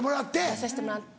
出さしてもらって。